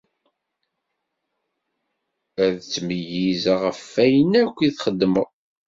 Ad ttmeyyizeɣ ɣef wayen akk i txedmeḍ.